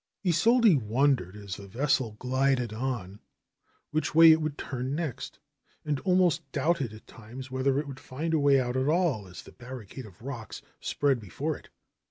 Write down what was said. Isolde wondered, as the vessel glided on, which way it would turn next, and almost doubted at times whether it would find a way out at all as the barricade of rocks spread before it.